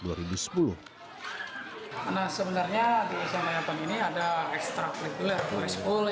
nah sebenarnya di sma delapan ini ada ekstrakulikuler